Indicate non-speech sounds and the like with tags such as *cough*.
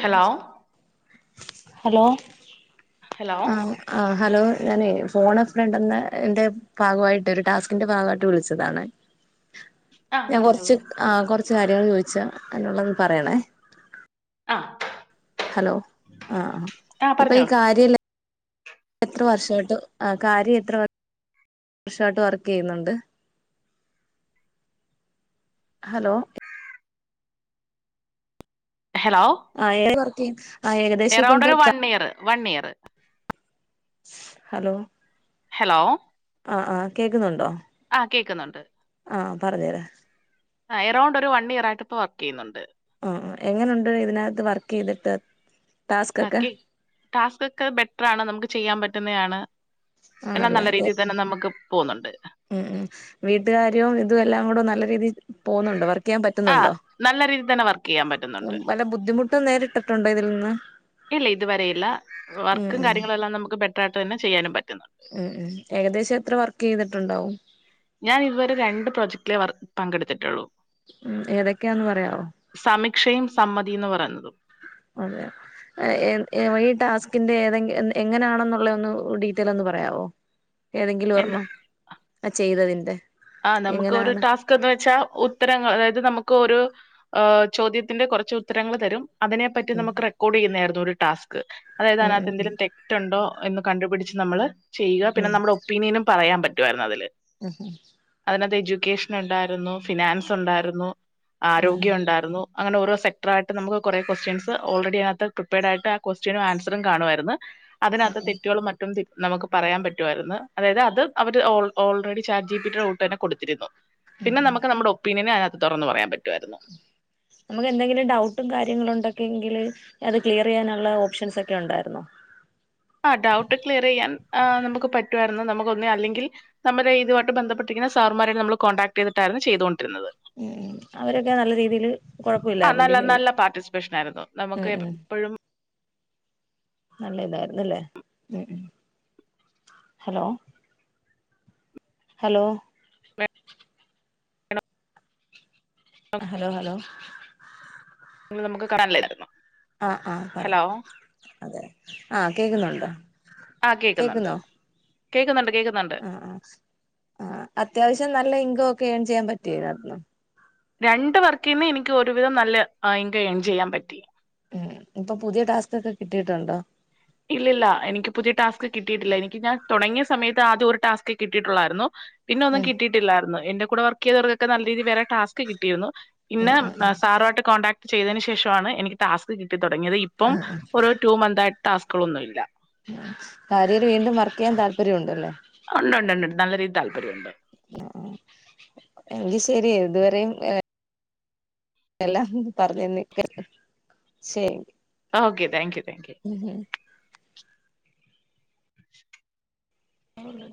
Hello hello hello ആ ആ hello ഞാന് ഫോൺ ഫ്രണ്ടിന്റെ എന്റെ ഭാഗമായിട്ട് ഒരു ടാസ്കിന്റെ ഭാഗമായിട്ട് വിളിച്ചതാണ്. ആ ഞാൻ കൊറച്ച് പറഞ്ഞോളൂ ആ കൊറച്ച് കാര്യങ്ങൾ ചോദിച്ച അതിനുള്ളത് പറയണേ ആഹ് ഹലോ ആഹ് ഇപ്പൊ പറഞ്ഞോ ഈ കാര്യയില് എത്ര വർഷമായിട്ട് ആ കാര്യ എത്ര വ വർഷായിട്ട് വർക്ക് ചെയ്യുന്നുണ്ട് ഹലോ ഹലോ ആ *unintelligible* എറൗണ്ട് ഒരു one year one year hello hello ആ ആഹ് കേൾക്കുന്നുണ്ടോ? ആ കേൾക്കുന്നുണ്ട്. ആഹ പറഞ്ഞുരാം. ആ എറൗണ്ട് ഒരു വൺ ഇയർ ആയിട്ട് ഇപ്പോ വർക്ക് ചെയ്യുന്നുണ്ട്. ആ ആ എങ്ങനെണ്ട് ഇതിനകത്ത് വർക്ക് യ്തിട്ട്. ബാക്കി ടാസ്ക് ഒക്കെ ബെറ്റർ ആാണ് നമുക്ക് ചെയ്യാൻ പറ്റുന്നെ തയാണ്. എല്ലാം നല്ല ആണല്ലേ രീതിയിൽ തന്നെ നമുക്ക് പോകുന്നുണ്ട്. ഉം ഉം വീട്ടുകാര്യം ഇതും എല്ലാം കൂടെനല്ല രീതിയിൽ പോകുന്നുണ്ടോ വർക്ക യ്യാൻ ആ പറ്റുന്നുണ്ടോ? നല്ല രീതിയിൽ തന്നെ വർക്ക് ചെയ്യാൻ പറ്റുന്നുണ്ട് പല ബുദ്ധിമുട്ടും നേരിട്ടിട്ടുണ്ടോ ഇതിൽ നിന്ന്? ഇല്ല ഇതുവരെയില്ല ഉം വർക്കും ഉം കാര്യങ്ങളുംല്ലാം നമുക്ക് ബെറ്ററായിട്ട് തന്നെ ചെയ്യാനും പറ്റുന്നുണ്ട്. ഉം ഉം ഏകദേശം എത്ര വർക്ക് ചെയ്തിട്ടുണ്ടാവും. ഞാൻ ഇതുവരെ രണ്ട് പ്രൊജക്ടിലെ വർ പങ്കെടുത്തിട്ടുള്ളൂ. ഉം ഏതൊക്കെയാന്ന് പറയാവോ. സമിക്ഷയും സമ്മതിന്ന് പറയതും. *unintelligible* ഏ ഏ ഈ ടാസ്കിന്റെ ഏതെ എങ്ങനാണെന്നുള്ള ഒന്ന് ഡീറ്റെൽ ഒന്ന് പറയാവോ. ഏതെങ്കിലും ഒരെണ്ണം ആ ചെയ്തതിന്റെ. ആ നമുക്ക് ഒരു എങ്ങനാണ് ടാസ്ക് എന്ന് വെച്ചാ ഉത്തരങ്ങ അതായത് നമുക്ക്ഒരു.. ആഹ് ചോദ്യത്തിന്റെ കൊറച്ച് ഉത്തരങ്ങൾ തരും അതിനെ.. പറ്റി ഉം നമക്ക് റെക്കോഡ് ചെയുന്നതരുന്നു ഒരു ടസ്ക് അതായത് ഉം ഉം അതിനകത്തു തെ.. തെറ്റുണ്ടോ എന്ന് കണ്ടുപിടിച്ച് നമ്മള് ചെയ്യുക പിന്നെ ഉം നമ്മുടെ ഒപ്പീനിയനും പറയാൻ പറ്റുമായിരുന്നു അതില്. ഹേ ഹെ അതിനകത്ത് എജ്യൂക്കേഷൻ ഉണ്ടായിരുന്നു ഫിനാൻസ് ഉണ്ടായിരുന്നു ഉം ആരോഗ്യം ഉണ്ടായിരുന്നു. അങ്ങനെ ഓരോ സെക്റായിട്ട് നമുക്ക് കുറെ കൊക്സ്റ്റ്യൻസ് ഓൾറെഡി അതിനകത്ത് പ്രിപ്പയർഡായിട്ട് ആ കൊസ്റ്റനും ആൻസറും കാണുവായിരുന്നു. അതിനകത്ത് തെറ്റുകളും മറ്റ.. റ്റും നമുക്ക് പറയാൻ പറ്റുമായിരുന്നു അതായത് അത് അവര് ഓൾറെഡി ചാറ്റ് ജി പി റൊ.. തന്നെ കൊടുത്തിരുന്നു പിന്നെ നമുക്ക് നമ്മുടെ ഒപ്പീനിയന് അതിനകത്ത് തുറന്ന് പറയാൻ പറ്റുയായിരുന്നു. സൂ നമുക്ക് എന്തെങ്കിലും ഡൗട്ടും കാര്യങ്ങളും ഉണ്ടൊക്കെങ്കില് അത് ക്ലിയർയ്യാനുള്ള ഓപ്ഷൻസ് ഒക്കെ ഉണ്ടായിരുന്നോ. ആ ഡൗട്ട് ക്ലിയർ ചെയ്യാൻ് നമുക്ക് പറ്റുമായിരുന്നു നമുക്ക് ഒന്ന് അല്ലെങ്കിൽ.. നമ്മുടെ ഇതുമായിട്ട് ബന്ധപ്പെട്ടിരിക്കുന്ന സാറുമാരെ നമ്മള് കോൺടാക്ട് ചെയ്തിട്ടായിരുന്നു ചെയതുകൊണ്ടിരുന്നത്. ഉം ഉം അവരൊക്കെ നല്ല രീതിയില് ആ കൊഴപ്പമില്ലായിരുന്നു നല്ല ബിഹേവ് നല്ല പാർട്ടിസിപ്പേഷൻ ആയിരുന്നു ഉം നമുക്ക്.. ഉം പെഴും.. നല്ല ഇതായിുന്നല്ലേ ഉ ഹലോ. ഹലോ ഹലോ ഹലോ നമക്ക് കാണലിലായിരുന്നൊ. ആ ആ പറ അതെെ ആ കേൾക്കുന്നുണ്ടോ കേൾക്കുന്നോ. കേൾക്ന്ന്ണ്ട് കേൾക്ന്ന്ണ്ട്. ആസ് ആഹ് അത്യാവശ്യം നല്ല ഇങ്കോ ഒക്കെ ഏയറ്ണ് ചെയ്യാൻ പറ്റിയോ ഇതിനകുത്തുന്നേ രണ്ട് വർക്കീന്ന് എനിക്ക് ഒരുവിധം നല്ല ഇങ്കം ഏൺ ചെയ്യാൻ പറ്റി. ഉം ഇപ്പൊ പുതിയ ടാസ്കൊക്കെ കിട്ടിയിട്ടുണ്ടോ. ഇല്ലില്ല എനിക്ക് പുതിയ ടാസ്ക് കിട്ടിയിട്ടില്ല എനിക്ക് ഞാൻ തുടങ്ങിയ സമയത്ത് ആദ്യം ഒരു ടാസ്ക് കിട്ടിയിട്ടുള്ളായിരുന്നു. പിന്നെ ഒന്നും ഉം കിട്ടിയിട്ടില്ലായിരുന്നു എന്റെ കൂടെ വർക്ക് ചെയ്തവർക്കൊക്കെ നല്ല രീതി വേ റെ ടാസ്ക് കിട്ടിയിരുന്നു ഉം പിന്നെ.. ഉം ഉം സാറു ആട്ട് കോടാക്ട് ചെയ്തതിന് ശേഷമാണ് എനിക്ക് ടാസ്ക് കിട്ടി തുടങ്ങിയത് ഇപ്പം ഒരു റ്റൂ മന്ത് ആയിട്ട്.. ടാസ്കോകളൊന്നും ഇല്ല. കാര്യര് വീണ്ടും വർക്ക് ചെയ്യാൻ താല്പര്യംണ്ടല്ലേ. ഉണ്ട് ഉണ്ട് നല്ല രീതിൽ താല്പര്യമുണ്ട്. ആ എങ്കി ശരി ഇതുവരെയും എ.. എല്ലാം പറഞ്ഞു നിക്ക ശരി. Okay thank you thank. യു ഹും ഹും ശ് ഉ *unintelligible*